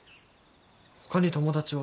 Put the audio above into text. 他に友達は？